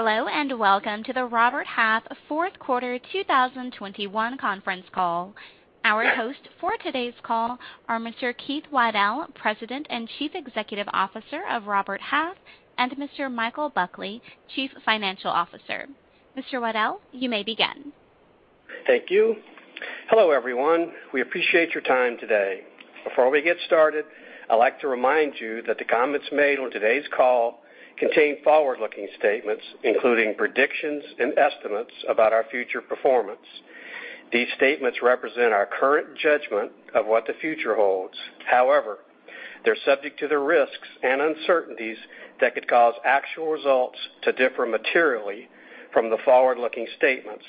Hello, and welcome to the Robert Half Fourth Quarter 2021 Conference Call. Our hosts for today's call are Mr. Keith Waddell, President and Chief Executive Officer of Robert Half, and Mr. Michael Buckley, Chief Financial Officer. Mr. Waddell, you may begin. Thank you. Hello, everyone. We appreciate your time today. Before we get started, I'd like to remind you that the comments made on today's call contain forward-looking statements, including predictions and estimates about our future performance. These statements represent our current judgment of what the future holds. However, they're subject to the risks and uncertainties that could cause actual results to differ materially from the forward-looking statements.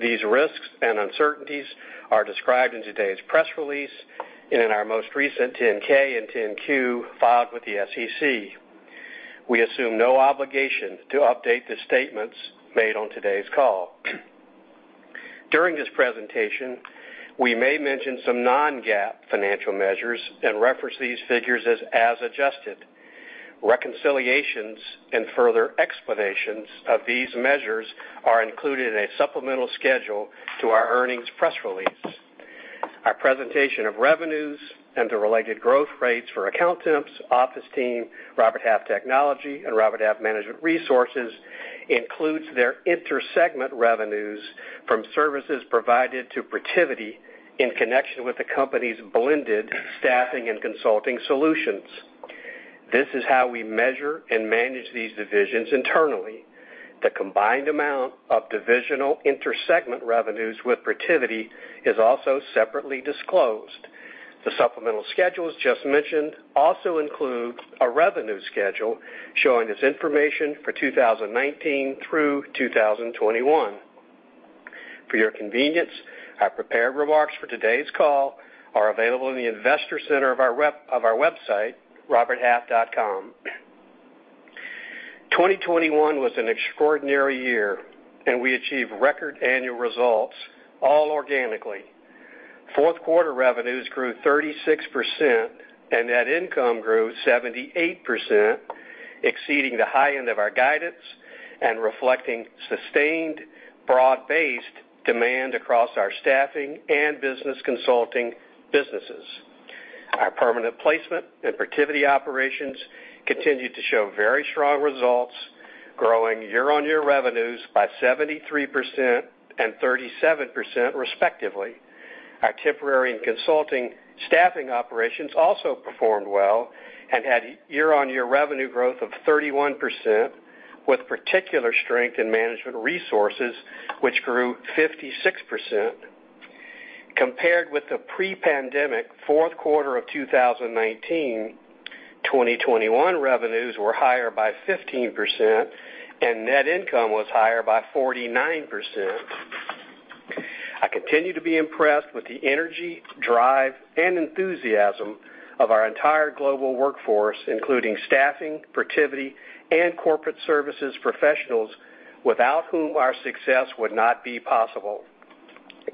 These risks and uncertainties are described in today's press release and in our most recent 10-K and 10-Q filed with the SEC. We assume no obligation to update the statements made on today's call. During this presentation, we may mention some non-GAAP financial measures and reference these figures as adjusted. Reconciliations and further explanations of these measures are included in a supplemental schedule to our earnings press release. Our presentation of revenues and the related growth rates for Accountemps, OfficeTeam, Robert Half Technology, and Robert Half Management Resources includes their inter-segment revenues from services provided to Protiviti in connection with the company's blended staffing and consulting solutions. This is how we measure and manage these divisions internally. The combined amount of divisional inter-segment revenues with Protiviti is also separately disclosed. The supplemental schedules just mentioned also include a revenue schedule showing this information for 2019 through 2021. For your convenience, our prepared remarks for today's call are available in the investor center of our website, roberthalf.com. 2021 was an extraordinary year, and we achieved record annual results all organically. Fourth quarter revenues grew 36%, and net income grew 78%, exceeding the high end of our guidance and reflecting sustained broad-based demand across our staffing and business consulting businesses. Our permanent placement and Protiviti operations continued to show very strong results, growing year-on-year revenues by 73% and 37%, respectively. Our temporary and consulting staffing operations also performed well and had year-on-year revenue growth of 31%, with particular strength in Management Resources, which grew 56%. Compared with the pre-pandemic Q4 of 2019, 2021 revenues were higher by 15%, and net income was higher by 49%. I continue to be impressed with the energy, drive, and enthusiasm of our entire global workforce, including staffing, Protiviti, and corporate services professionals, without whom our success would not be possible.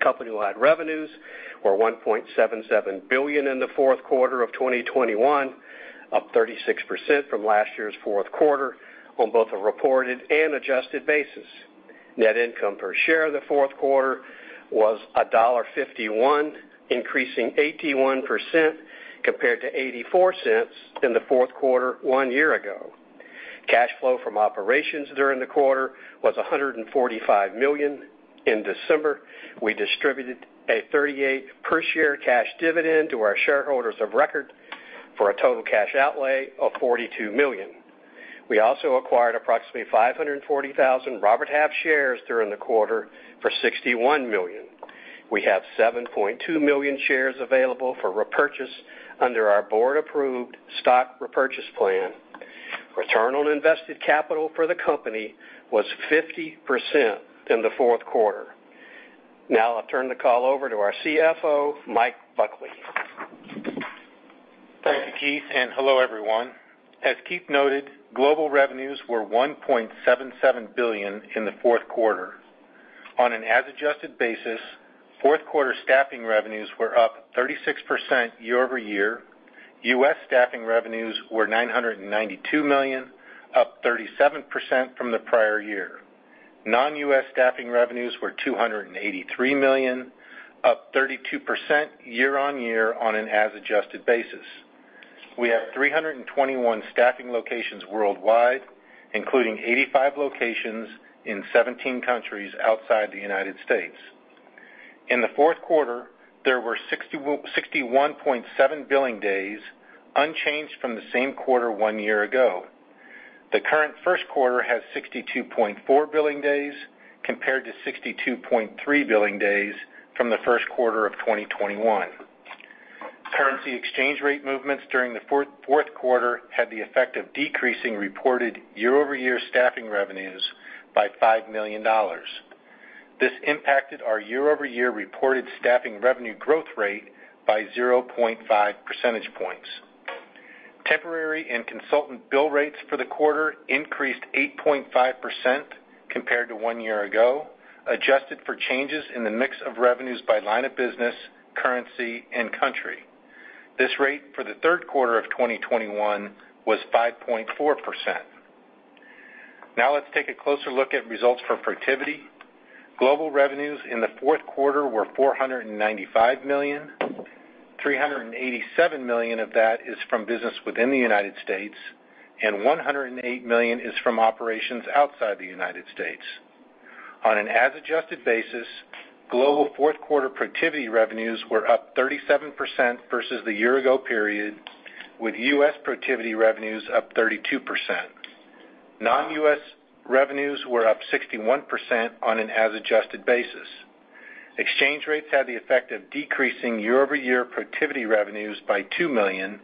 Company-wide revenues were $1.77 billion in the fourth quarter of 2021, up 36% from last year's fourth quarter on both a reported and adjusted basis. Net income per share of the fourth quarter was $1.51, increasing 81% compared to $0.84 in the fourth quarter one year ago. Cash flow from operations during the quarter was $145 million. In December, we distributed a $0.38 per share cash dividend to our shareholders of record for a total cash outlay of $42 million. We also acquired approximately 540,000 Robert Half shares during the quarter for $61 million. We have 7.2 million shares available for repurchase under our board-approved stock repurchase plan. Return on invested capital for the company was 50% in the fourth quarter. Now I'll turn the call over to our CFO, Mike Buckley. Thank you, Keith, and hello, everyone. As Keith noted, global revenues were $1.77 billion in the fourth quarter. On an as-adjusted basis, fourth quarter staffing revenues were up 36% year-over-year. U.S. staffing revenues were $992 million, up 37% from the prior year. Non-U.S. staffing revenues were $283 million, up 32% year-on-year on an as-adjusted basis. We have 321 staffing locations worldwide, including 85 locations in 17 countries outside the United States. In the fourth quarter, there were 61.7 billing days, unchanged from the same quarter one year ago. The current first quarter has 62.4 billing days compared to 62.3 billing days from the first quarter of 2021. Currency exchange rate movements during the fourth quarter had the effect of decreasing reported year-over-year staffing revenues by $5 million. This impacted our year-over-year reported staffing revenue growth rate by 0.5 percentage points. Temporary and consultant bill rates for the quarter increased 8.5% compared to one year ago, adjusted for changes in the mix of revenues by line of business, currency, and country. This rate for the third quarter of 2021 was 5.4%. Now let's take a closer look at results for Protiviti. Global revenues in the fourth quarter were $495 million. $387 million of that is from business within the United States, and $108 million is from operations outside the United States. On an as adjusted basis, global fourth quarter Protiviti revenues were up 37% versus the year ago period, with U.S. Protiviti revenues up 32%. Non-U.S. revenues were up 61% on an as adjusted basis. Exchange rates had the effect of decreasing year-over-year Protiviti revenues by $2 million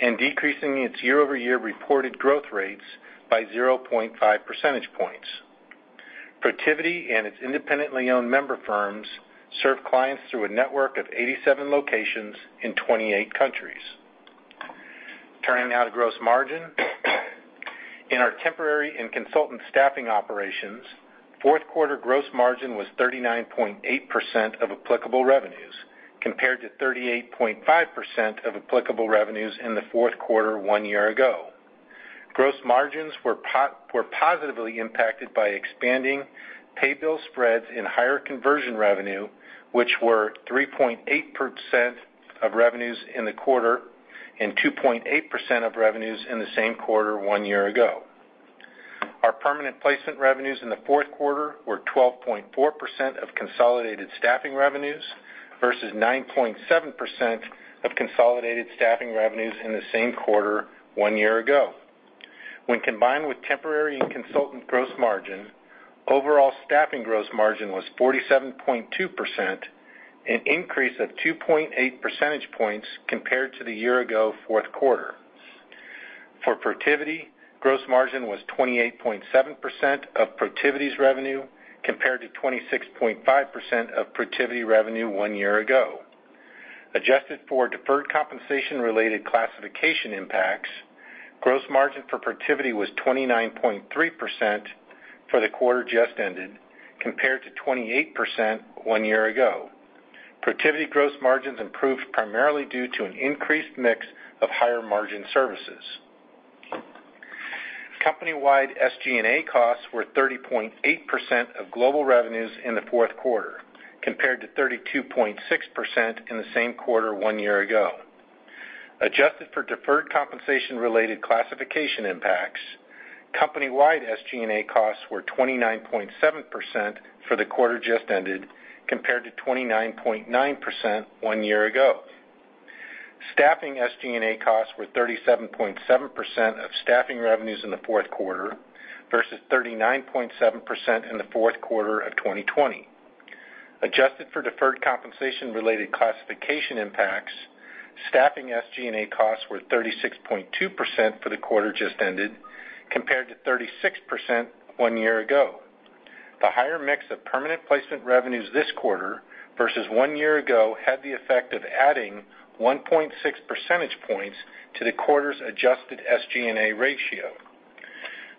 and decreasing its year-over-year reported growth rates by 0.5 percentage points. Protiviti and its independently owned member firms serve clients through a network of 87 locations in 28 countries. Turning now to gross margin. In our temporary and consultant staffing operations, fourth quarter gross margin was 39.8% of applicable revenues, compared to 38.5% of applicable revenues in the fourth quarter one year ago. Gross margins were positively impacted by expanding pay bill spreads in higher conversion revenue, which were 3.8% of revenues in the quarter and 2.8% of revenues in the same quarter one year ago. Our permanent placement revenues in the fourth quarter were 12.4% of consolidated staffing revenues versus 9.7% of consolidated staffing revenues in the same quarter one year ago. When combined with temporary and consultant gross margin, overall staffing gross margin was 47.2%, an increase of 2.8 percentage points compared to the year ago fourth quarter. For Protiviti, gross margin was 28.7% of Protiviti's revenue, compared to 26.5% of Protiviti revenue one year ago. Adjusted for deferred compensation-related classification impacts, gross margin for Protiviti was 29.3% for the quarter just ended, compared to 28% one year ago. Protiviti gross margins improved primarily due to an increased mix of higher margin services. Company-wide SG&A costs were 30.8% of global revenues in the fourth quarter, compared to 32.6% in the same quarter one year ago. Adjusted for deferred compensation-related classification impacts, company-wide SG&A costs were 29.7% for the quarter just ended, compared to 29.9% one year ago. Staffing SG&A costs were 37.7% of staffing revenues in the fourth quarter versus 39.7% in the fourth quarter of 2020. Adjusted for deferred compensation-related classification impacts, staffing SG&A costs were 36.2% for the quarter just ended, compared to 36% one year ago. The higher mix of permanent placement revenues this quarter versus one year ago had the effect of adding 1.6 percentage points to the quarter's adjusted SG&A ratio.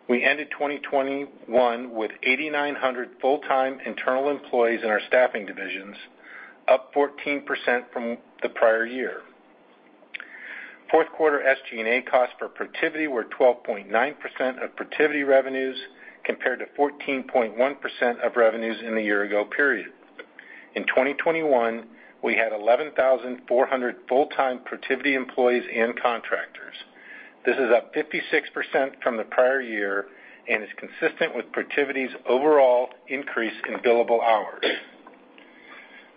We ended 2021 with 8,900 full-time internal employees in our staffing divisions, up 14% from the prior year. Fourth quarter SG&A costs for Protiviti were 12.9% of Protiviti revenues compared to 14.1% of revenues in the year ago period. In 2021, we had 11,400 full-time Protiviti employees and contractors. This is up 56% from the prior year and is consistent with Protiviti's overall increase in billable hours.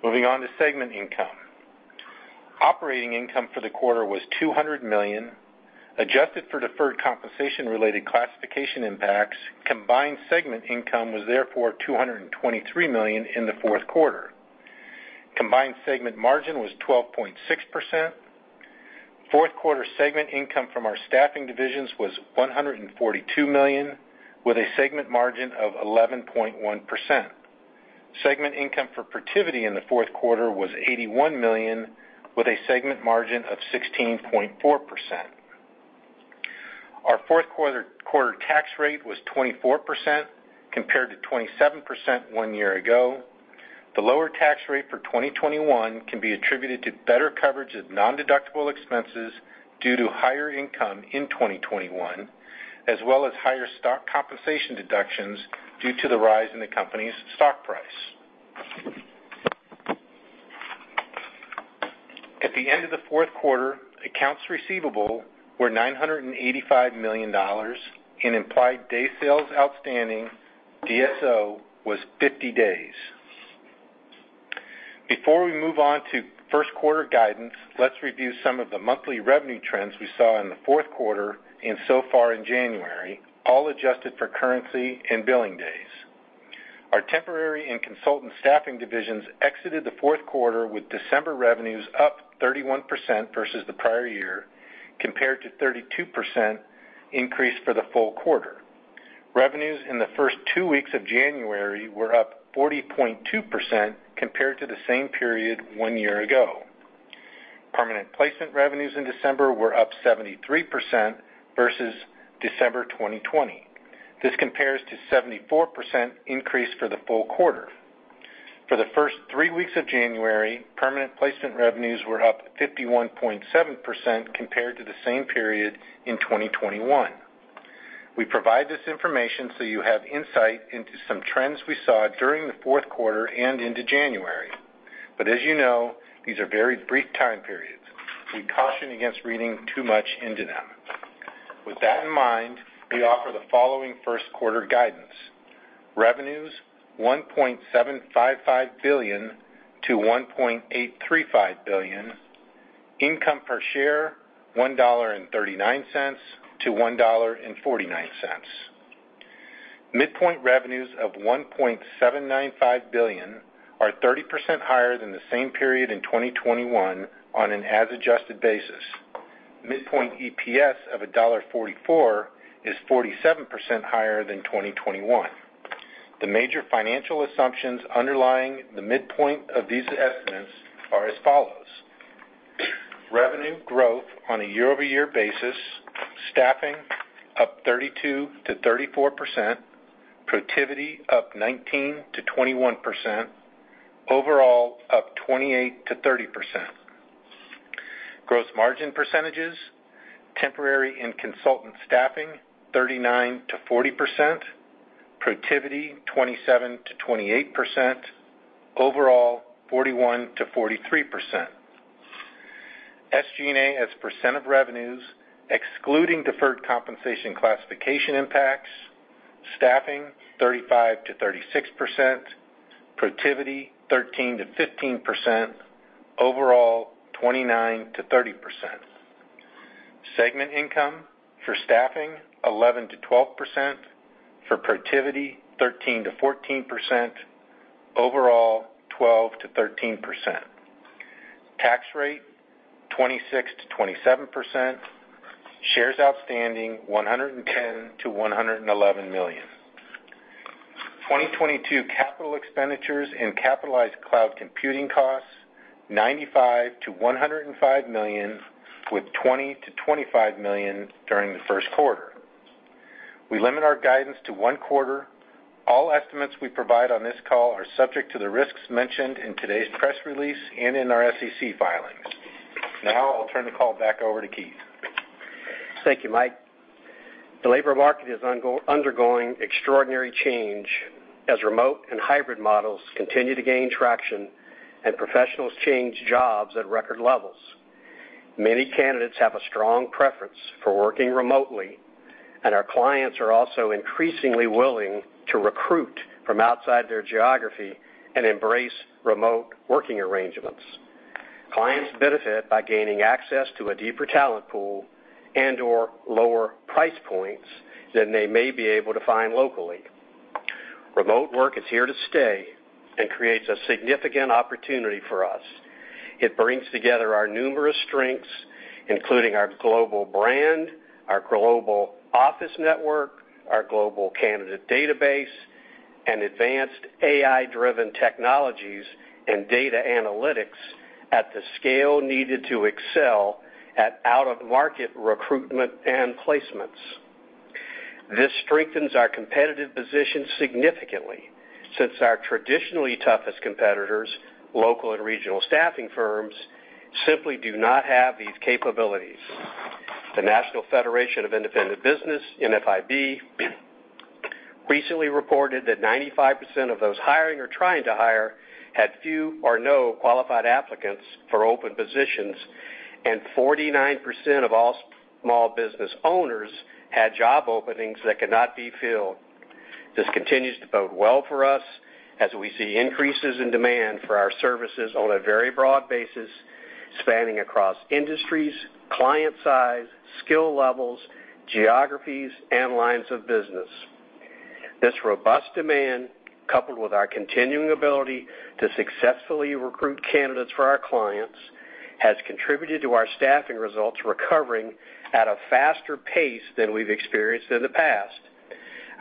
Moving on to segment income. Operating income for the quarter was $200 million. Adjusted for deferred compensation-related classification impacts, combined segment income was therefore $223 million in the fourth quarter. Combined segment margin was 12.6%. Fourth quarter segment income from our staffing divisions was $142 million, with a segment margin of 11.1%. Segment income for Protiviti in the fourth quarter was $81 million, with a segment margin of 16.4%. Our fourth quarter tax rate was 24% compared to 27% one year ago. The lower tax rate for 2021 can be attributed to better coverage of nondeductible expenses due to higher income in 2021, as well as higher stock compensation deductions due to the rise in the company's stock price. At the end of the fourth quarter, accounts receivable were $985 million and implied day sales outstanding, DSO, was 50 days. Before we move on to first quarter guidance, let's review some of the monthly revenue trends we saw in the fourth quarter and so far in January, all adjusted for currency and billing days. Our temporary and consultant staffing divisions exited the fourth quarter with December revenues up 31% versus the prior year, compared to 32% increase for the full quarter. Revenues in the first two weeks of January were up 40.2% compared to the same period one year ago. Permanent placement revenues in December were up 73% versus December 2020. This compares to 74% increase for the full quarter. For the first three weeks of January, permanent placement revenues were up 51.7% compared to the same period in 2021. We provide this information so you have insight into some trends we saw during the fourth quarter and into January. As you know, these are very brief time periods. We caution against reading too much into them. With that in mind, we offer the following first quarter guidance. Revenues $1.755 billion-$1.835 billion. Income per share $1.39-$1.49. Midpoint revenues of $1.795 billion are 30% higher than the same period in 2021 on an as adjusted basis. Midpoint EPS of $1.44 is 47% higher than 2021. The major financial assumptions underlying the midpoint of these estimates are as follows. Revenue growth on a year-over-year basis, staffing up 32%-34%, Protiviti up 19%-21%, overall up 28%-30%. Gross margin percentages, temporary and consultant staffing 39%-40%, Protiviti 27%-28%, overall 41%-43%. SG&A as a percent of revenues excluding deferred compensation classification impacts, staffing 35%-36%, Protiviti 13%-15%, overall 29%-30%. Segment income for staffing 11%-12%, for Protiviti 13%-14%, overall 12%-13%. Tax rate 26%-27%. Shares outstanding 110-111 million. 2022 capital expenditures and capitalized cloud computing costs $95-$105 million, with $20-$25 million during the first quarter. We limit our guidance to one quarter. All estimates we provide on this call are subject to the risks mentioned in today's press release and in our SEC filings. Now I'll turn the call back over to Keith. Thank you, Mike. The labor market is undergoing extraordinary change as remote and hybrid models continue to gain traction and professionals change jobs at record levels. Many candidates have a strong preference for working remotely, and our clients are also increasingly willing to recruit from outside their geography and embrace remote working arrangements. Clients benefit by gaining access to a deeper talent pool and/or lower price points than they may be able to find locally. Remote work is here to stay and creates a significant opportunity for us. It brings together our numerous strengths, including our global brand, our global office network, our global candidate database, and advanced AI-driven technologies and data analytics at the scale needed to excel at out-of-market recruitment and placements. This strengthens our competitive position significantly since our traditionally toughest competitors, local and regional staffing firms, simply do not have these capabilities. The National Federation of Independent Business, NFIB, recently reported that 95% of those hiring or trying to hire had few or no qualified applicants for open positions, and 49% of all small business owners had job openings that could not be filled. This continues to bode well for us as we see increases in demand for our services on a very broad basis, spanning across industries, client size, skill levels, geographies, and lines of business. This robust demand, coupled with our continuing ability to successfully recruit candidates for our clients, has contributed to our staffing results recovering at a faster pace than we've experienced in the past.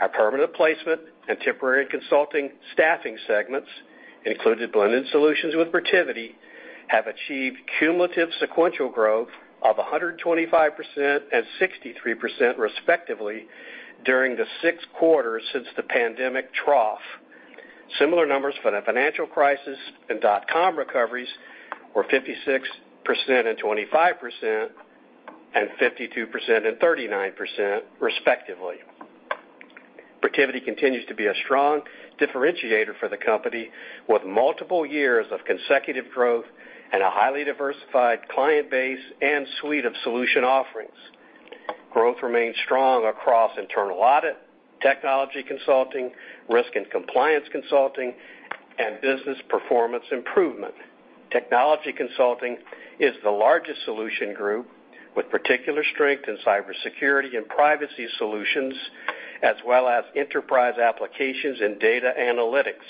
Our permanent placement and temporary consulting staffing segments, included blended solutions with Protiviti, have achieved cumulative sequential growth of 125% and 63%, respectively, during the 6 quarters since the pandemic trough. Similar numbers for the financial crisis and dot-com recoveries were 56% and 25%, and 52% and 39%, respectively. Protiviti continues to be a strong differentiator for the company with multiple years of consecutive growth and a highly diversified client base and suite of solution offerings. Growth remains strong across internal audit, technology consulting, risk and compliance consulting, and business performance improvement. Technology consulting is the largest solution group with particular strength in cybersecurity and privacy solutions, as well as enterprise applications and data analytics.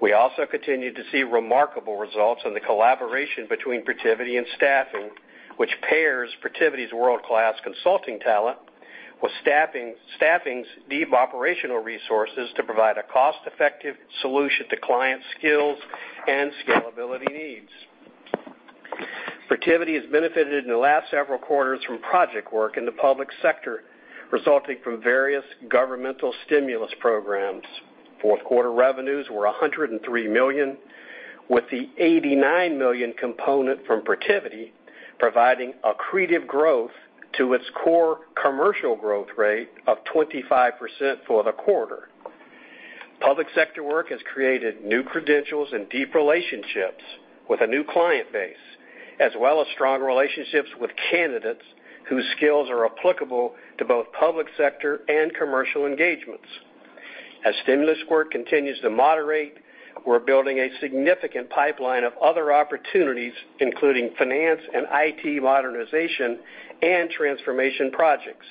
We also continue to see remarkable results in the collaboration between Protiviti and staffing, which pairs Protiviti's world-class consulting talent with staffing's deep operational resources to provide a cost-effective solution to client skills and scalability needs. Protiviti has benefited in the last several quarters from project work in the public sector, resulting from various governmental stimulus programs. Fourth quarter revenues were $103 million, with the $89 million component from Protiviti providing accretive growth to its core commercial growth rate of 25% for the quarter. Public sector work has created new credentials and deep relationships with a new client base, as well as strong relationships with candidates whose skills are applicable to both public sector and commercial engagements. As stimulus work continues to moderate, we're building a significant pipeline of other opportunities, including finance and IT modernization and transformation projects.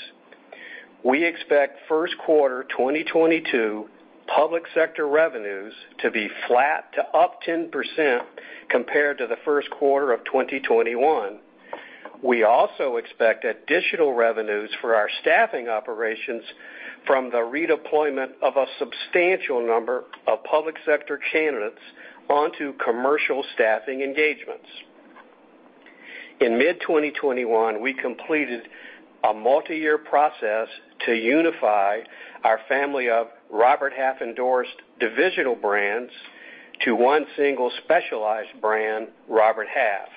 We expect first quarter 2022 public sector revenues to be flat to up 10% compared to the first quarter of 2021. We also expect additional revenues for our staffing operations from the redeployment of a substantial number of public sector candidates onto commercial staffing engagements. In mid-2021, we completed a multi-year process to unify our family of Robert Half-endorsed divisional brands to one single specialized brand, Robert Half.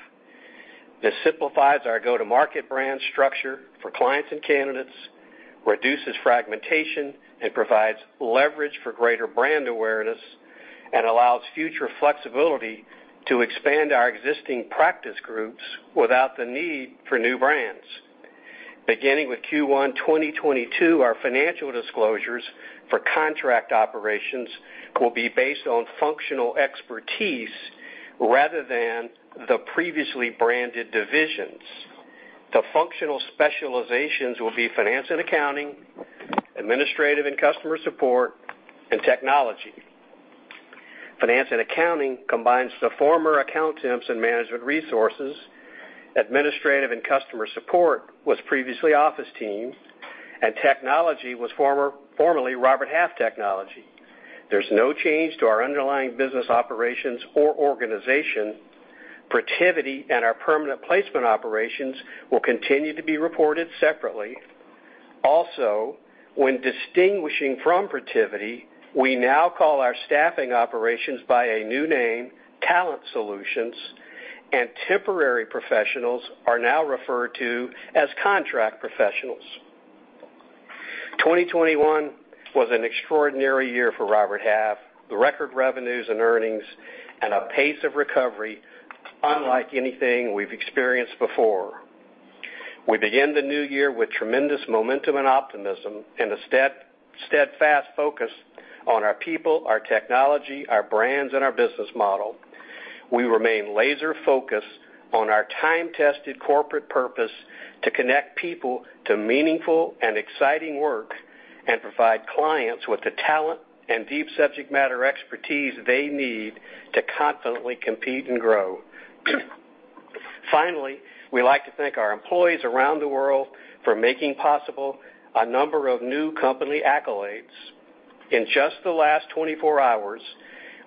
This simplifies our go-to-market brand structure for clients and candidates, reduces fragmentation, and provides leverage for greater brand awareness, and allows future flexibility to expand our existing practice groups without the need for new brands. Beginning with Q1 2022, our financial disclosures for contract operations will be based on functional expertise rather than the previously branded divisions. The functional specializations will be finance and accounting, administrative and customer support, and technology. Finance and accounting combines the former Accountemps and Management Resources. Administrative and customer support was previously OfficeTeam, and technology was formerly Robert Half Technology. There's no change to our underlying business operations or organization. Protiviti and our permanent placement operations will continue to be reported separately. Also, when distinguishing from Protiviti, we now call our staffing operations by a new name, Talent Solutions, and temporary professionals are now referred to as contract professionals. 2021 was an extraordinary year for Robert Half, the record revenues and earnings at a pace of recovery unlike anything we've experienced before. We begin the new year with tremendous momentum and optimism and a steadfast focus on our people, our technology, our brands, and our business model. We remain laser-focused on our time-tested corporate purpose to connect people to meaningful and exciting work and provide clients with the talent and deep subject matter expertise they need to confidently compete and grow. Finally, we'd like to thank our employees around the world for making possible a number of new company accolades. In just the last 24 hours,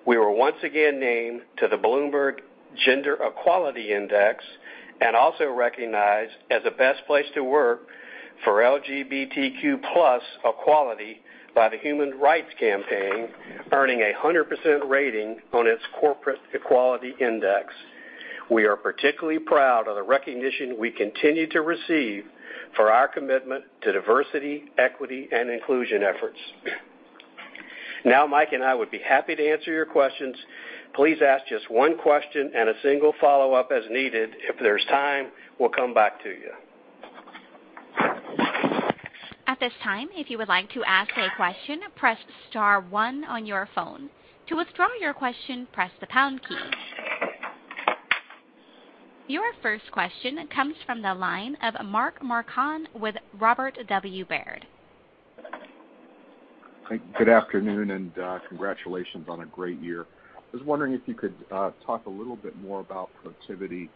we were once again named to the Bloomberg Gender-Equality Index and also recognized as a best place to work for LGBTQ plus equality by the Human Rights Campaign, earning a 100% rating on its Corporate Equality Index. We are particularly proud of the recognition we continue to receive for our commitment to diversity, equity, and inclusion efforts. Now, Mike and I would be happy to answer your questions. Please ask just one question and a single follow-up as needed. If there's time, we'll come back to you. Your first question comes from the line of Mark Marcon with Robert W. Baird. Good afternoon and congratulations on a great year. I was wondering if you could talk a little bit more about Protiviti,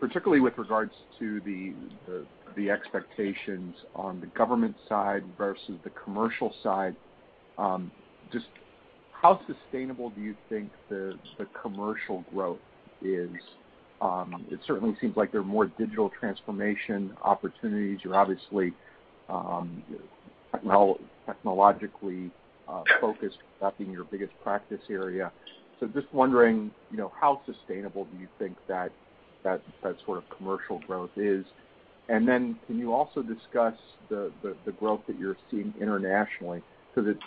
particularly with regards to the expectations on the government side versus the commercial side. Just how sustainable do you think the commercial growth is? It certainly seems like there are more digital transformation opportunities. You're obviously technologically focused, that being your biggest practice area. Just wondering, you know, how sustainable do you think that sort of commercial growth is? Can you also discuss the growth that you're seeing internationally? 'Cause it's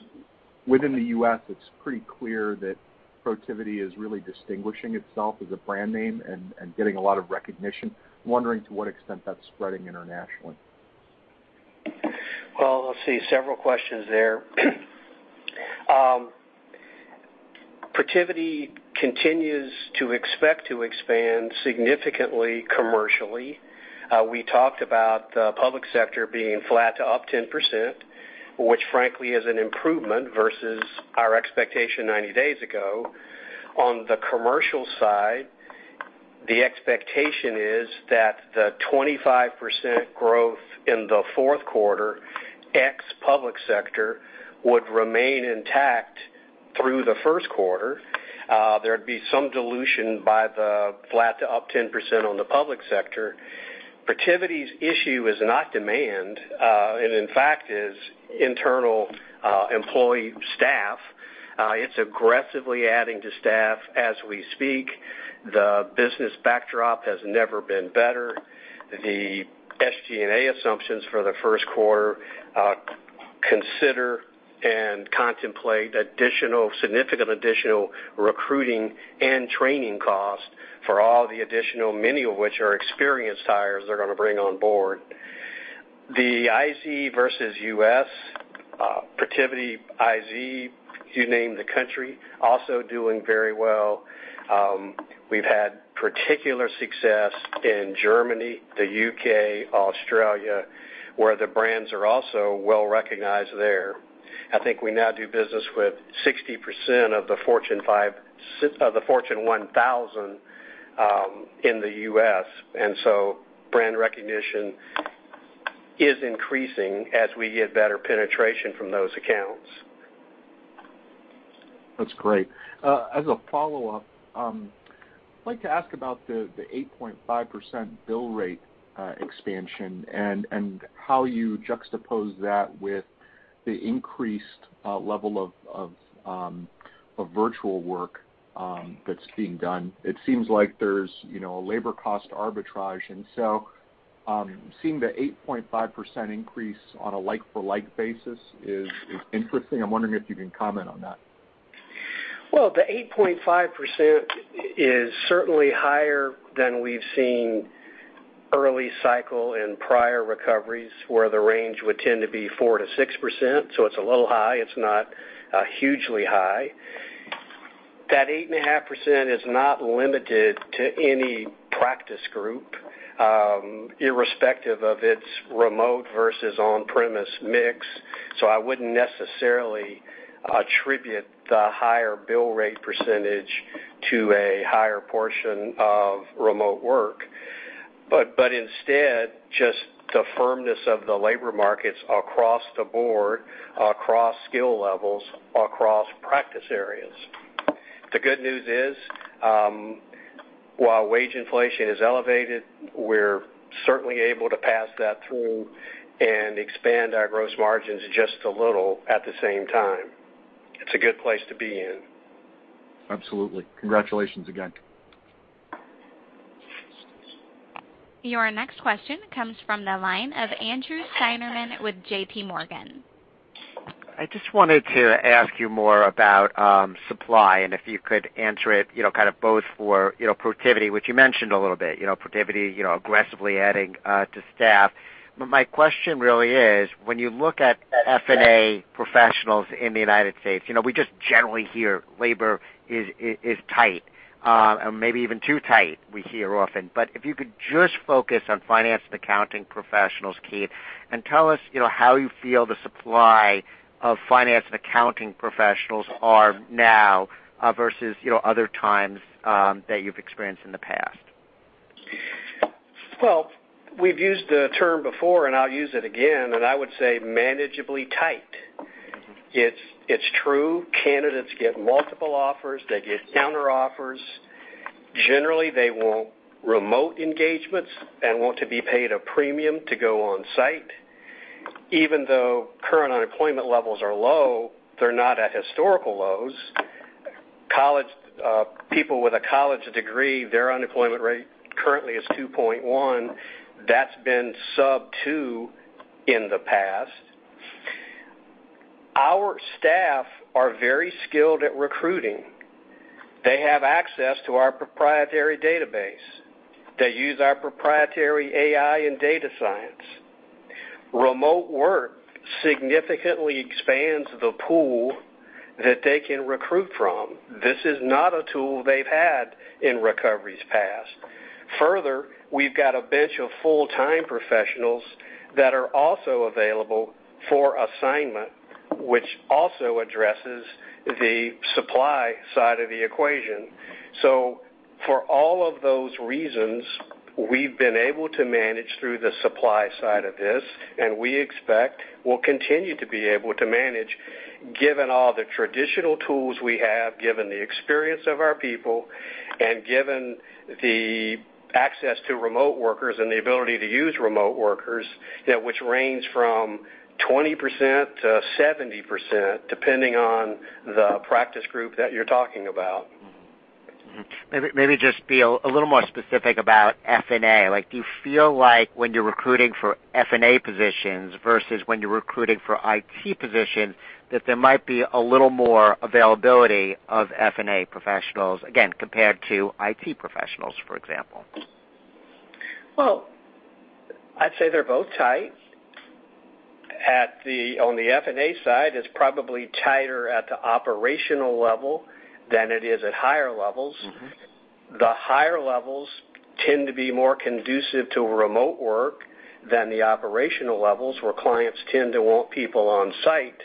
within the U.S., it's pretty clear that Protiviti is really distinguishing itself as a brand name and getting a lot of recognition. I'm wondering to what extent that's spreading internationally. Well, let's see. Several questions there. Protiviti continues to expect to expand significantly commercially. We talked about the public sector being flat to up 10%, which frankly is an improvement versus our expectation 90 days ago. On the commercial side, the expectation is that the 25% growth in the fourth quarter ex-public sector would remain intact through the first quarter. There'd be some dilution by the flat to up 10% on the public sector. Protiviti's issue is not demand, and in fact is internal, employee staff. It's aggressively adding to staff as we speak. The business backdrop has never been better. The SG&A assumptions for the first quarter consider and contemplate additional, significant additional recruiting and training costs for all the additional many of which are experienced hires they're gonna bring on board. The International versus U.S., Protiviti International, you name the country, also doing very well. We've had particular success in Germany, the U.K., Australia, where the brands are also well-recognized there. I think we now do business with 60% of the Fortune 1000 in the U.S., and so brand recognition is increasing as we get better penetration from those accounts. That's great. As a follow-up, I'd like to ask about the 8.5% bill rate expansion and how you juxtapose that with the increased level of virtual work that's being done. It seems like there's, you know, a labor cost arbitrage. Seeing the 8.5% increase on a like for like basis is interesting. I'm wondering if you can comment on that. Well, the 8.5% is certainly higher than we've seen early cycle in prior recoveries, where the range would tend to be 4%-6%, so it's a little high. It's not hugely high. That 8.5% is not limited to any practice group, irrespective of its remote versus on-premise mix. So I wouldn't necessarily attribute the higher bill rate percentage to a higher portion of remote work, but instead just the firmness of the labor markets across the board, across skill levels, across practice areas. The good news is, while wage inflation is elevated, we're certainly able to pass that through and expand our gross margins just a little at the same time. It's a good place to be in. Absolutely. Congratulations again. Your next question comes from the line of Andrew Steinerman with JPMorgan. I just wanted to ask you more about supply and if you could answer it, you know, kind of both for, you know, Protiviti, which you mentioned a little bit, you know, Protiviti, you know, aggressively adding to staff. But my question really is, when you look at F&A professionals in the United States, you know, we just generally hear labor is tight or maybe even too tight, we hear often. But if you could just focus on finance and accounting professionals, Keith, and tell us, you know, how you feel the supply of finance and accounting professionals are now versus, you know, other times that you've experienced in the past. Well, we've used the term before, and I'll use it again, and I would say manageably tight. Mm-hmm. It's true. Candidates get multiple offers. They get counteroffers. Generally, they want remote engagements and want to be paid a premium to go on-site. Even though current unemployment levels are low, they're not at historical lows. People with a college degree, their unemployment rate currently is 2.1%. That's been sub-2% in the past. Our staff are very skilled at recruiting. They have access to our proprietary database. They use our proprietary AI and data science. Remote work significantly expands the pool that they can recruit from. This is not a tool they've had in recoveries past. Further, we've got a bench of full-time professionals that are also available for assignment, which also addresses the supply side of the equation. For all of those reasons, we've been able to manage through the supply side of this, and we expect we'll continue to be able to manage given all the traditional tools we have, given the experience of our people, and given the access to remote workers and the ability to use remote workers, you know, which range from 20%-70%, depending on the practice group that you're talking about. Mm-hmm. Maybe just be a little more specific about F&A. Like, do you feel like when you're recruiting for F&A positions versus when you're recruiting for IT positions, that there might be a little more availability of F&A professionals, again, compared to IT professionals, for example? Well, I'd say they're both tight. On the F&A side, it's probably tighter at the operational level than it is at higher levels. Mm-hmm. The higher levels tend to be more conducive to remote work than the operational levels, where clients tend to want people on site.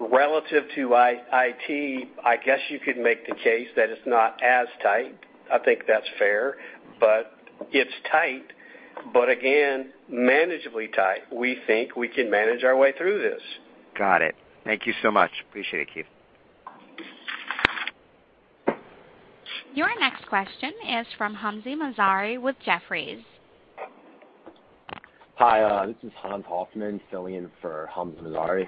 Relative to IT, I guess you could make the case that it's not as tight. I think that's fair, but it's tight. Again, manageably tight. We think we can manage our way through this. Got it. Thank you so much. Appreciate it, Keith. Your next question is from Hamzah Mazari with Jefferies. Hi, this is Hans Hoffman filling in for Hamzah Mazari.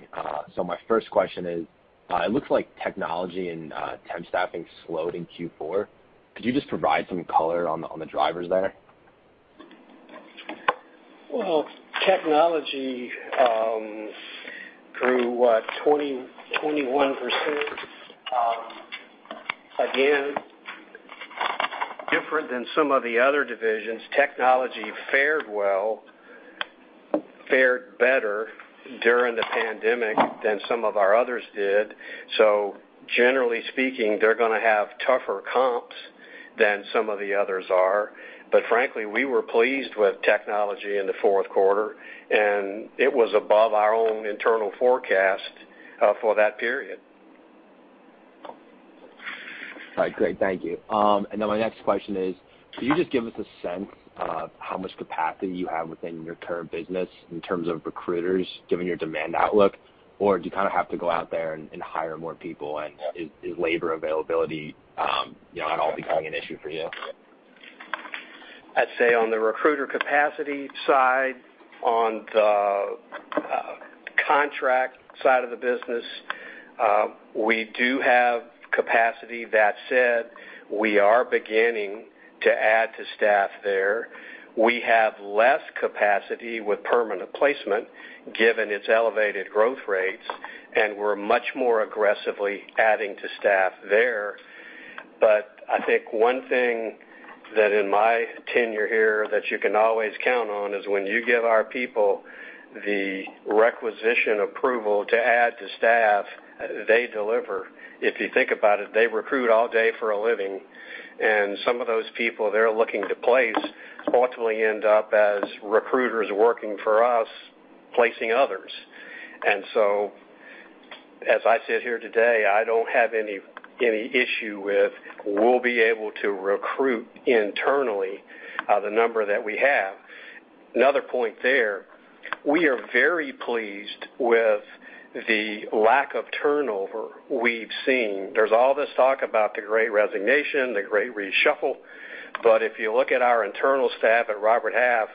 My first question is, it looks like technology and temp staffing slowed in Q4. Could you just provide some color on the drivers there? Well, technology grew 21%. Again, different than some of the other divisions, technology fared well, fared better during the pandemic than some of our others did. Generally speaking, they're gonna have tougher comps than some of the others are. Frankly, we were pleased with technology in the fourth quarter, and it was above our own internal forecast for that period. All right, great. Thank you. Now my next question is, can you just give us a sense of how much capacity you have within your current business in terms of recruiters, given your demand outlook? Or do you kinda have to go out there and hire more people? Is labor availability, you know, at all becoming an issue for you? I'd say on the recruiter capacity side, on the contract side of the business, we do have capacity. That said, we are beginning to add to staff there. We have less capacity with permanent placement given its elevated growth rates, and we're much more aggressively adding to staff there. I think one thing that in my tenure here that you can always count on is when you give our people the requisition approval to add to staff, they deliver. If you think about it, they recruit all day for a living, and some of those people they're looking to place ultimately end up as recruiters working for us, placing others. As I sit here today, I don't have any issue with we'll be able to recruit internally, the number that we have. Another point there, we are very pleased with the lack of turnover we've seen. There's all this talk about the Great Resignation, the Great Reshuffle, but if you look at our internal staff at Robert Half,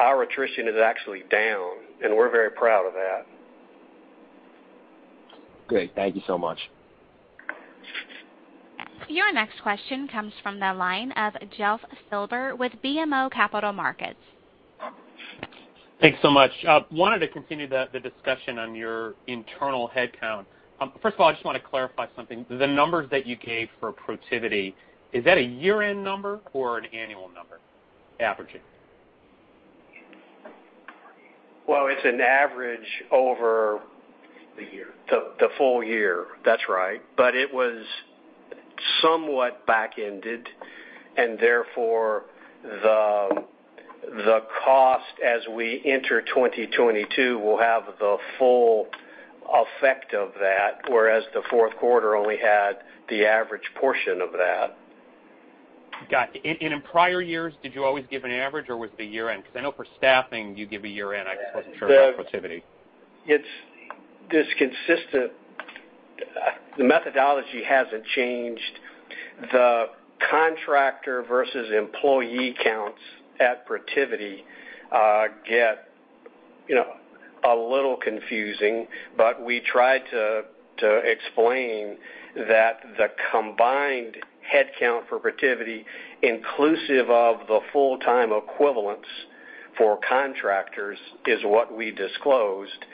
our attrition is actually down, and we're very proud of that. Great. Thank you so much. Your next question comes from the line of Jeff Silber with BMO Capital Markets. Thanks so much. I wanted to continue the discussion on your internal headcount. First of all, I just wanna clarify something. The numbers that you gave for Protiviti, is that a year-end number or an annual number, averaging? Well, it's an average. The year The full year. That's right. It was somewhat back-ended, and therefore, the cost as we enter 2022 will have the full effect of that, whereas the fourth quarter only had the average portion of that. Got it. In prior years, did you always give an average or was it a year-end? 'Cause I know for staffing you give a year-end. I just wasn't sure with Protiviti. It's this consistent. The methodology hasn't changed. The contractor versus employee counts at Protiviti get, you know, a little confusing, but we try to explain that the combined headcount for Protiviti, inclusive of the full-time equivalence for contractors, is what we disclosed.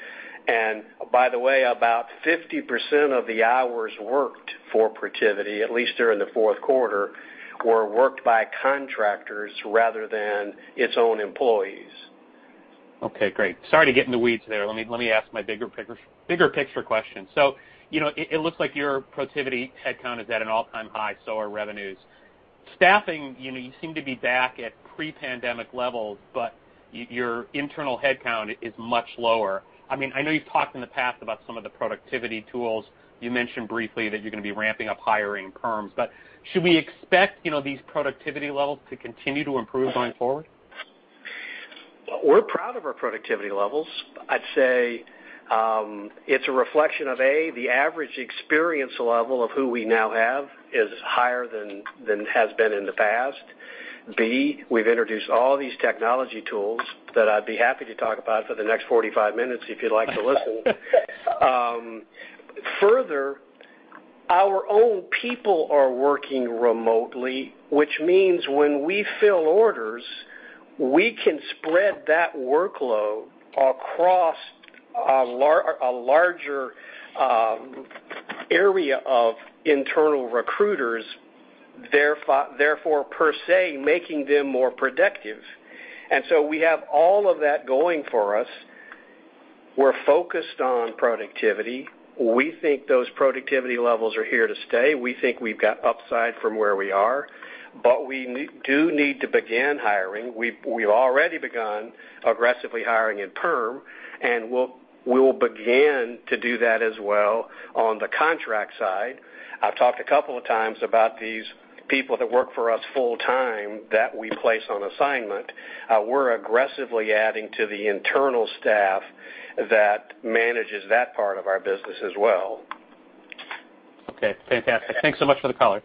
By the way, about 50% of the hours worked for Protiviti, at least during the fourth quarter, were worked by contractors rather than its own employees. Okay, great. Sorry to get in the weeds there. Let me ask my bigger picture question. So, you know, it looks like your Protiviti headcount is at an all-time high, so are revenues. Staffing, you know, you seem to be back at pre-pandemic levels, but your internal headcount is much lower. I mean, I know you've talked in the past about some of the productivity tools. You mentioned briefly that you're gonna be ramping up hiring perms. Should we expect, you know, these productivity levels to continue to improve going forward? We're proud of our productivity levels. I'd say it's a reflection of, A, the average experience level of who we now have is higher than it has been in the past. B, we've introduced all these technology tools that I'd be happy to talk about for the next 45 minutes if you'd like to listen. Further, our own people are working remotely, which means when we fill orders, we can spread that workload across a larger area of internal recruiters, therefore, per se, making them more productive. We have all of that going for us. We're focused on productivity. We think those productivity levels are here to stay. We think we've got upside from where we are. We need to begin hiring. We've already begun aggressively hiring in perm, and we will begin to do that as well on the contract side. I've talked a couple of times about these people that work for us full-time that we place on assignment. We're aggressively adding to the internal staff that manages that part of our business as well. Okay, fantastic. Thanks so much for the color.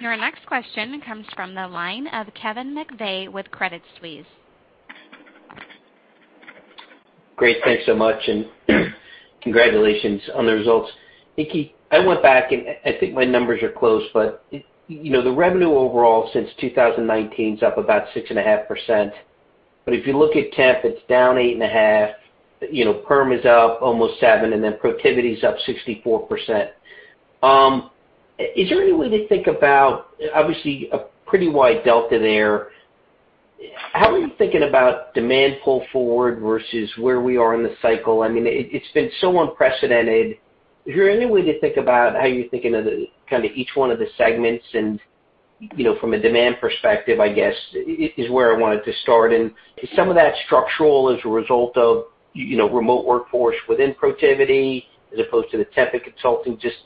Your next question comes from the line of Kevin McVeigh with Credit Suisse. Great, thanks so much and congratulations on the results. Nicky, I went back and I think my numbers are close, but you know, the revenue overall since 2019 is up about 6.5%. If you look at temp, it's down 8.5%. You know, perm is up almost 7%, and then Protiviti is up 64%. Is there any way to think about, obviously, a pretty wide delta there? How are you thinking about demand pull forward versus where we are in the cycle? I mean, it's been so unprecedented. Is there any way to think about how you're thinking of the kind of each one of the segments and, you know, from a demand perspective, I guess, is where I wanted to start. Is some of that structural as a result of, you know, remote workforce within Protiviti as opposed to the temp and consulting? Just,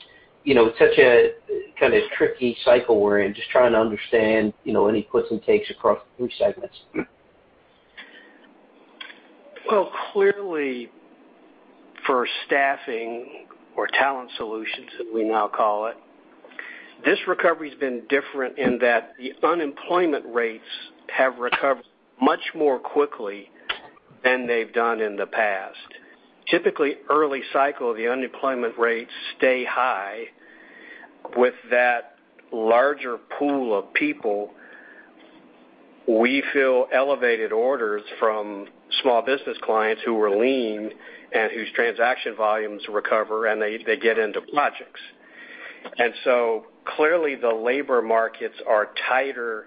you know, such a kinda tricky cycle we're in, just trying to understand, you know, any gives and takes across the three segments. Well, clearly for staffing or talent solutions, as we now call it, this recovery has been different in that the unemployment rates have recovered much more quickly than they've done in the past. Typically, early cycle, the unemployment rates stay high. With that larger pool of people, we feel elevated orders from small business clients who were lean and whose transaction volumes recover, and they get into projects. Clearly, the labor markets are tighter,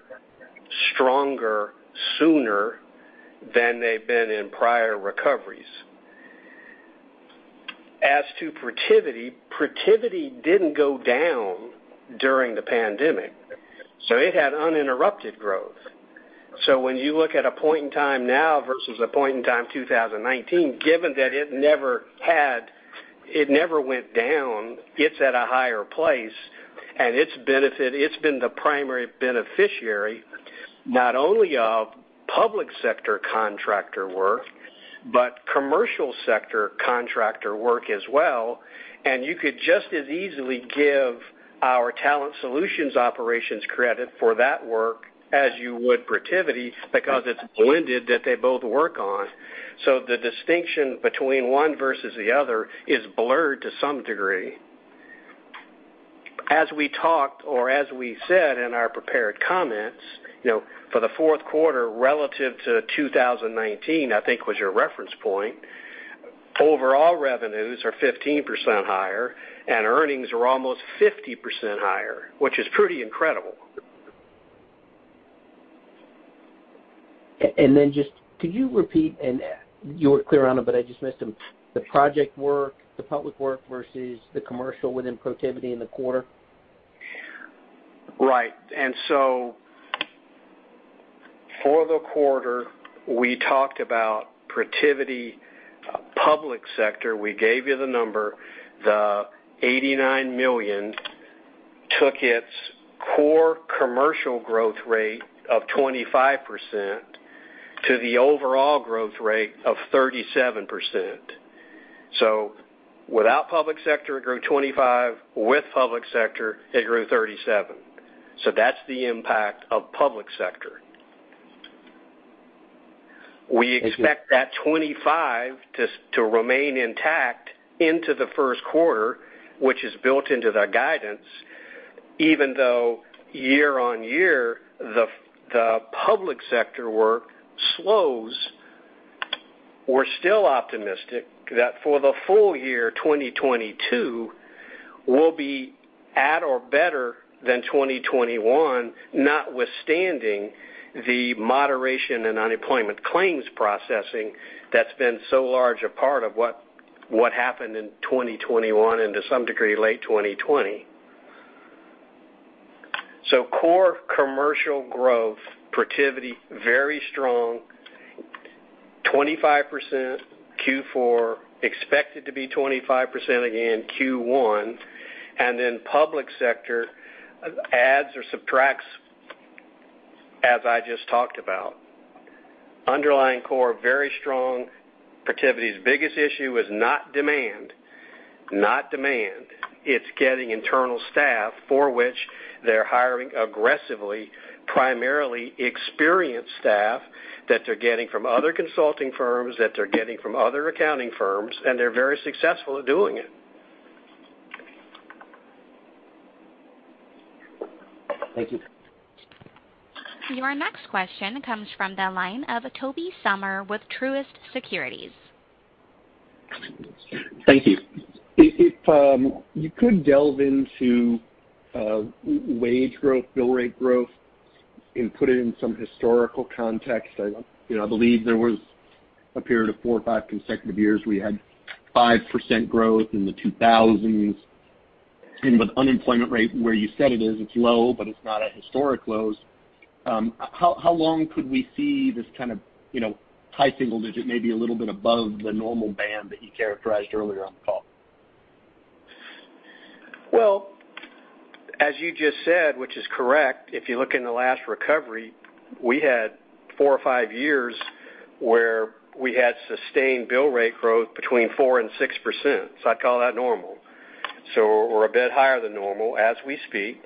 stronger sooner than they've been in prior recoveries. As to Protiviti didn't go down during the pandemic, so it had uninterrupted growth. When you look at a point in time now versus a point in time 2019, given that it never went down, it's at a higher place. Its benefit, it's been the primary beneficiary not only of public sector contractor work, but commercial sector contractor work as well. You could just as easily give our Talent Solutions operations credit for that work as you would Protiviti, because it's blended that they both work on. The distinction between one versus the other is blurred to some degree. As we talked or as we said in our prepared comments, you know, for the fourth quarter relative to 2019, I think, was your reference point, overall revenues are 15% higher, and earnings are almost 50% higher, which is pretty incredible. Just could you repeat, and you were clear on it, but I just missed them, the project work, the public work versus the commercial within Protiviti in the quarter? Right. For the quarter, we talked about Protiviti public sector. We gave you the number. The $89 million took its core commercial growth rate of 25% to the overall growth rate of 37%. Without public sector, it grew 25%. With public sector, it grew 37%. That's the impact of public sector. Thank you. We expect that 25% to remain intact into the first quarter, which is built into the guidance. Even though year-on-year the public sector work slows, we're still optimistic that for the full year 2022 will be at or better than 2021, notwithstanding the moderation in unemployment claims processing that's been so large a part of what happened in 2021 and to some degree, late 2020. Core commercial growth, Protiviti, very strong, 25% Q4, expected to be 25% again Q1. Public sector adds or subtracts, as I just talked about. Underlying core, very strong. Protiviti's biggest issue is not demand. It's getting internal staff for which they're hiring aggressively, primarily experienced staff that they're getting from other consulting firms, that they're getting from other accounting firms, and they're very successful at doing it. Thank you. Your next question comes from the line of Tobey Sommer with Truist Securities. Thank you. If you could delve into wage growth, bill rate growth and put it in some historical context. I, you know, I believe there was a period of four or five consecutive years we had 5% growth in the 2000s. With unemployment rate where you said it is, it's low, but it's not at historic lows. How long could we see this kind of, you know, high single digit, maybe a little bit above the normal band that you characterized earlier on the call? Well, as you just said, which is correct, if you look in the last recovery, we had four or five years where we had sustained bill rate growth between 4%-6%. I'd call that normal. We're a bit higher than normal as we speak.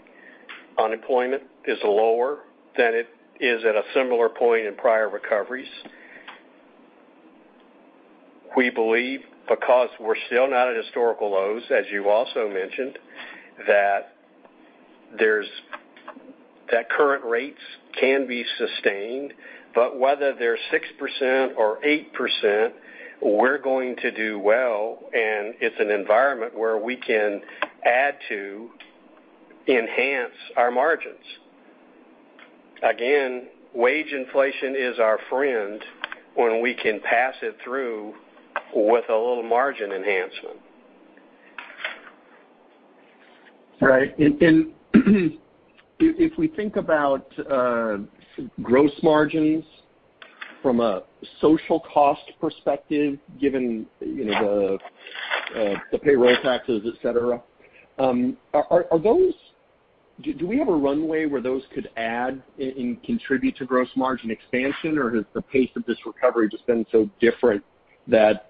Unemployment is lower than it is at a similar point in prior recoveries. We believe because we're still not at historical lows, as you also mentioned, that current rates can be sustained. Whether they're 6% or 8%, we're going to do well, and it's an environment where we can add to enhance our margins. Again, wage inflation is our friend when we can pass it through with a little margin enhancement. Right. If we think about gross margins from a social cost perspective, given you know the payroll taxes, et cetera, do we have a runway where those could add and contribute to gross margin expansion? Or has the pace of this recovery just been so different that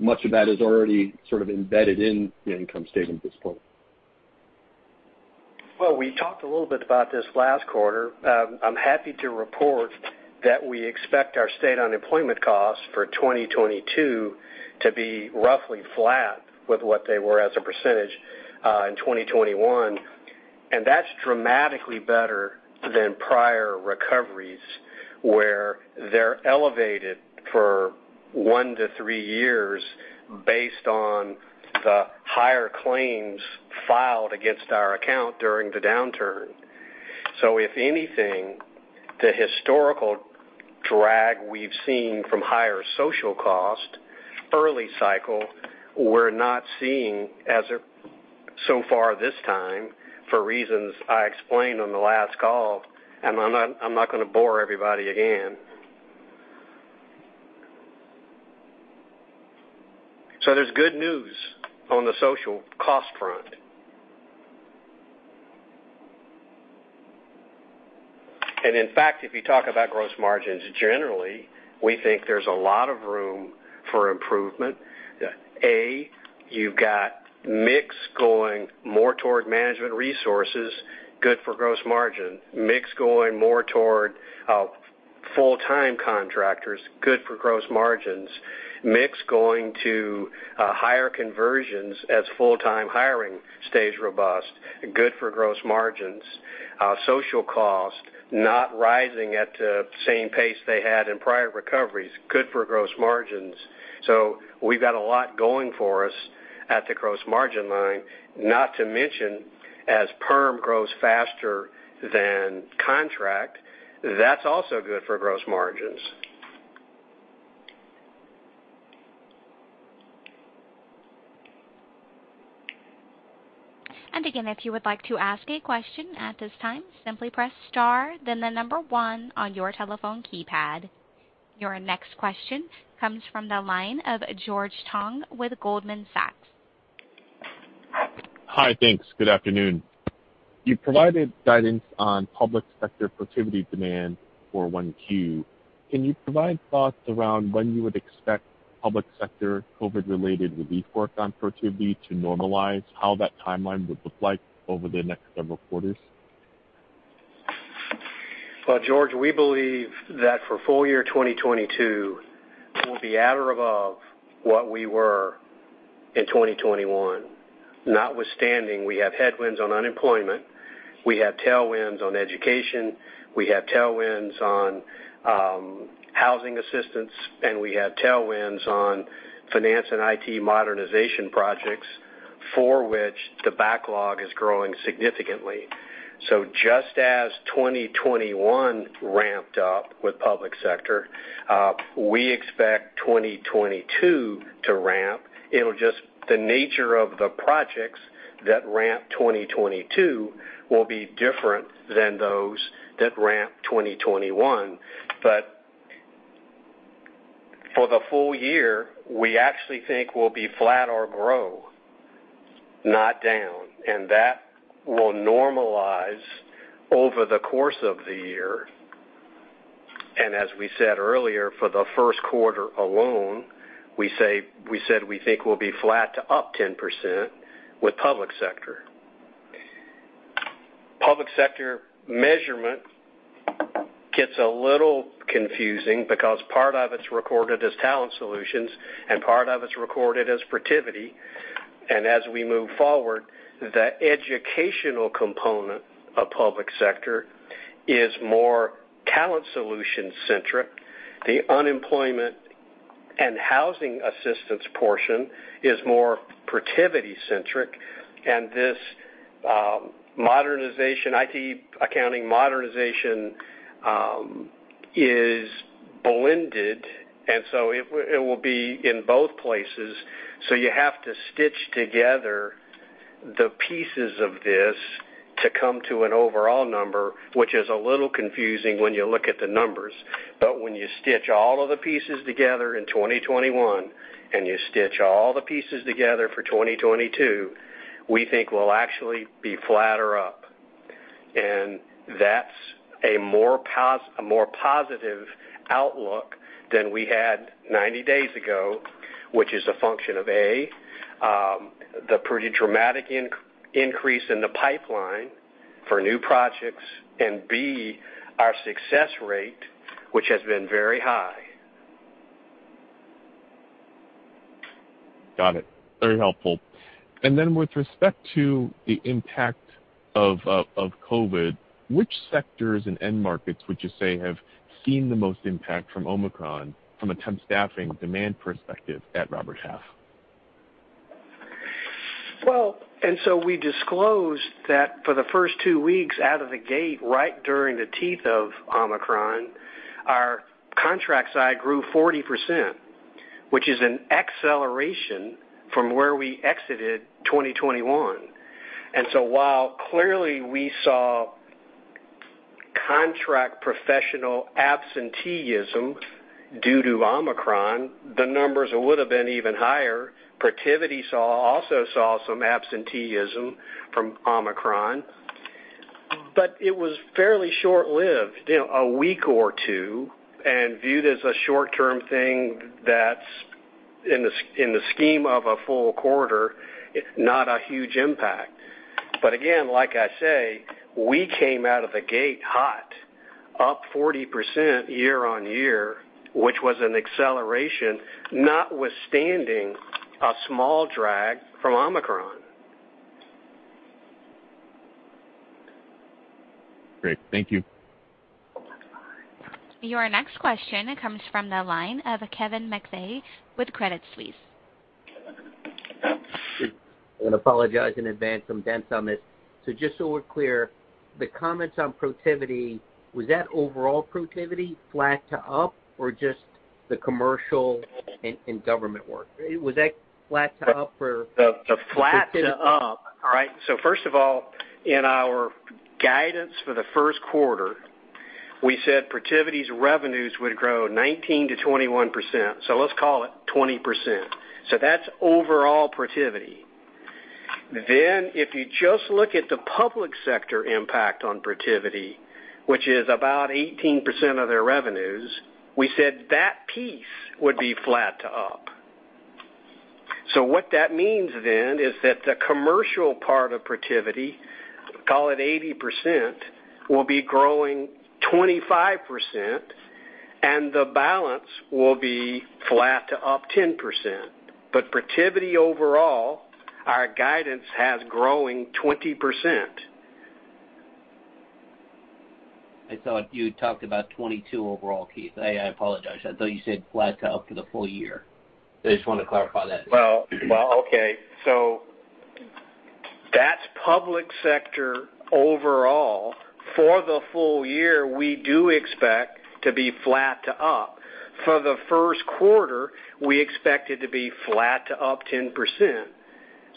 much of that is already sort of embedded in the income statement at this point? Well, we talked a little bit about this last quarter. I'm happy to report that we expect our state unemployment costs for 2022 to be roughly flat with what they were as a percentage in 2021. That's dramatically better than prior recoveries, where they're elevated for 1-3 years based on the higher claims filed against our account during the downturn. If anything, the historical drag we've seen from higher social cost early cycle, we're not seeing as so far this time for reasons I explained on the last call, and I'm not gonna bore everybody again. There's good news on the social cost front. In fact, if you talk about gross margins, generally, we think there's a lot of room for improvement. A, you've got mix going more toward Management Resources, good for gross margin. Mix going more toward full-time contractors, good for gross margins. Mix going to higher conversions as full-time hiring stays robust, good for gross margins. Social cost not rising at the same pace they had in prior recoveries, good for gross margins. We've got a lot going for us at the gross margin line, not to mention as perm grows faster than contract, that's also good for gross margins. Again, if you would like to ask a question at this time, simply press star, then the number one on your telephone keypad. Your next question comes from the line of George Tong with Goldman Sachs. Hi. Thanks. Good afternoon. You provided guidance on public sector Protiviti demand for one Q. Can you provide thoughts around when you would expect public sector COVID-related relief work on Protiviti to normalize, how that timeline would look like over the next several quarters? Well, George, we believe that for full year 2022, we'll be at or above what we were in 2021. Notwithstanding, we have headwinds on unemployment, we have tailwinds on education, we have tailwinds on housing assistance, and we have tailwinds on finance and IT modernization projects for which the backlog is growing significantly. Just as 2021 ramped up with public sector, we expect 2022 to ramp. It'll just the nature of the projects that ramped 2022 will be different than those that ramped 2021. For the full year, we actually think we'll be flat or grow, not down, and that will normalize over the course of the year. As we said earlier, for the first quarter alone, we said we think we'll be flat to up 10% with public sector. Public sector measurement gets a little confusing because part of it's recorded as Talent Solutions and part of it's recorded as Protiviti. As we move forward, the educational component of public sector is more Talent Solutions-centric. The unemployment and housing assistance portion is more Protiviti-centric, and this, modernization, IT and accounting modernization, is blended, and so it will be in both places. You have to stitch together the pieces of this to come to an overall number, which is a little confusing when you look at the numbers. When you stitch all of the pieces together in 2021, and you stitch all the pieces together for 2022, we think we'll actually be flat or up. That's a more positive outlook than we had 90 days ago, which is a function of, A, the pretty dramatic increase in the pipeline for new projects, and B, our success rate, which has been very high. Got it. Very helpful. With respect to the impact of COVID, which sectors and end markets would you say have seen the most impact from Omicron from a temp staffing demand perspective at Robert Half? Well, we disclosed that for the first two weeks out of the gate, right during the teeth of Omicron, our contract side grew 40%, which is an acceleration from where we exited 2021. While clearly we saw contract professional absenteeism due to Omicron, the numbers would have been even higher. Protiviti also saw some absenteeism from Omicron. It was fairly short-lived, you know, a week or two, and viewed as a short-term thing that's in the scheme of a full quarter, not a huge impact. Again, like I say, we came out of the gate hot, up 40% year-on-year, which was an acceleration notwithstanding a small drag from Omicron. Great. Thank you. Your next question comes from the line of Kevin McVeigh with Credit Suisse. I'm gonna apologize in advance, I'm dense on this. Just so we're clear, the comments on Protiviti, was that overall Protiviti flat to up or just the commercial and government work? Was that flat to up or- All right, first of all, in our guidance for the first quarter, we said Protiviti's revenues would grow 19%-21%. Let's call it 20%. That's overall Protiviti. If you just look at the public sector impact on Protiviti, which is about 18% of their revenues, we said that piece would be flat to up. What that means then is that the commercial part of Protiviti, call it 80%, will be growing 25%, and the balance will be flat to up 10%. Protiviti overall, our guidance has growing 20%. I thought you talked about 22 overall, Keith. I apologize. I thought you said flat to up for the full year. I just want to clarify that. Well, well, okay. That's public sector overall. For the full year, we do expect to be flat to up. For the first quarter, we expect it to be flat to up 10%.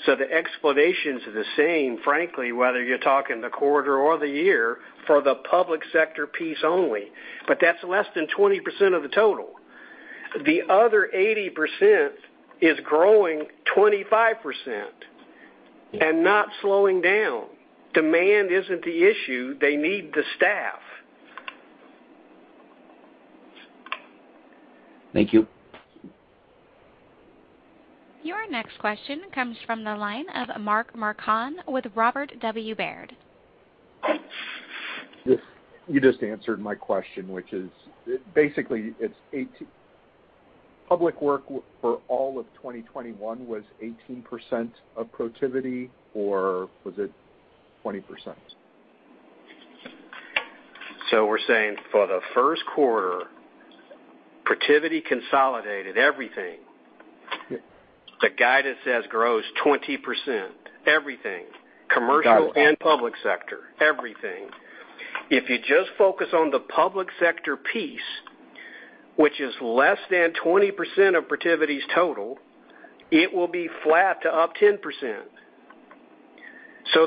The explanations are the same, frankly, whether you're talking the quarter or the year for the public sector piece only, but that's less than 20% of the total. The other 80% is growing 25% and not slowing down. Demand isn't the issue. They need the staff. Thank you. Your next question comes from the line of Mark Marcon with Robert W. Baird. You just answered my question, which is basically it's 80% public work for all of 2021 was 18% of Protiviti, or was it 20%? We're saying for the first quarter, Protiviti consolidated everything. The guidance says grows 20%, everything, commercial and public sector, everything. If you just focus on the public sector piece, which is less than 20% of Protiviti's total, it will be flat to up 10%.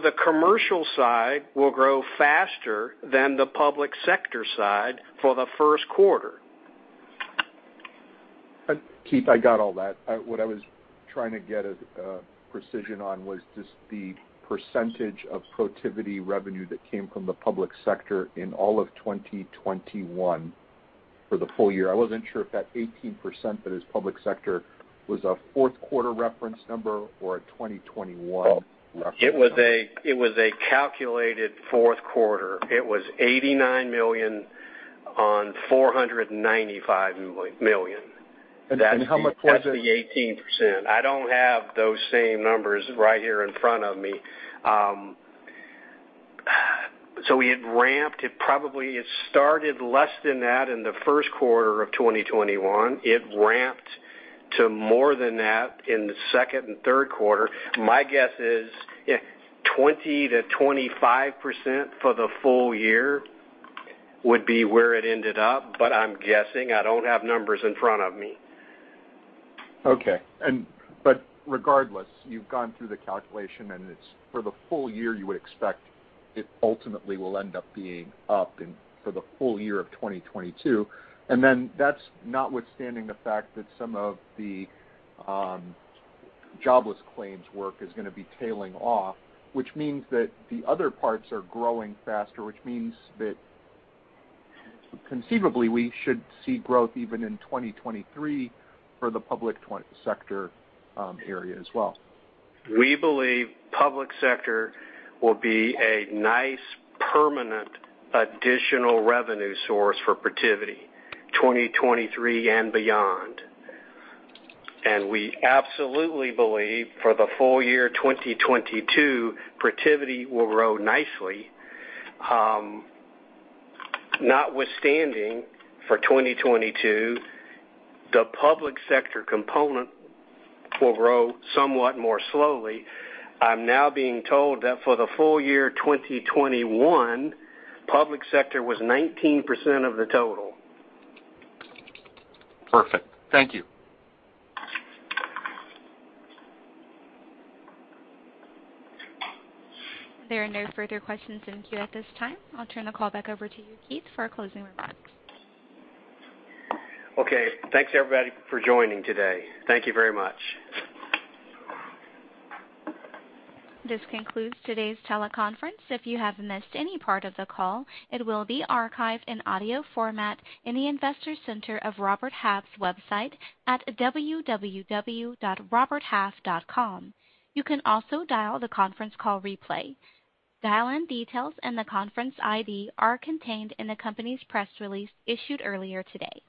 The commercial side will grow faster than the public sector side for the first quarter. Keith, I got all that. What I was trying to get precision on was just the percentage of Protiviti revenue that came from the public sector in all of 2021 for the full year. I wasn't sure if that 18% that is public sector was a fourth quarter reference number or a 2021 reference number. It was a calculated fourth quarter. It was $89 million on $495 million. How much was it? That's the 18%. I don't have those same numbers right here in front of me. We had ramped it. It started less than that in the first quarter of 2021. It ramped to more than that in the second and third quarter. My guess is 20%-25% for the full year would be where it ended up, but I'm guessing. I don't have numbers in front of me. Regardless, you've gone through the calculation, and it's for the full year. You would expect it ultimately will end up being up for the full year of 2022. That's notwithstanding the fact that some of the jobless claims work is gonna be tailing off, which means that the other parts are growing faster, which means that conceivably, we should see growth even in 2023 for the public sector area as well. We believe public sector will be a nice, permanent additional revenue source for Protiviti, 2023 and beyond. We absolutely believe for the full year 2022, Protiviti will grow nicely. Notwithstanding for 2022, the public sector component will grow somewhat more slowly. I'm now being told that for the full year 2021, public sector was 19% of the total. Perfect. Thank you. There are no further questions in queue at this time. I'll turn the call back over to you, Keith, for our closing remarks. Okay. Thanks everybody for joining today. Thank you very much. This concludes today's teleconference. If you have missed any part of the call, it will be archived in audio format in the Investor Center of Robert Half's website at www.roberthalf.com. You can also dial the conference call replay. Dial-in details and the conference ID are contained in the company's press release issued earlier today.